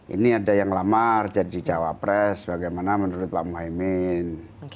ini ada yang lamar jadi cawapres bagaimana menurut pak muhaymin